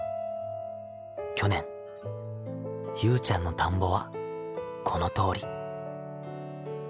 去年ゆうちゃんの田んぼはこのとおり。